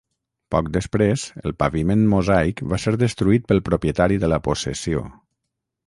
Poc després el paviment mosaic va ser destruït pel propietari de la possessió.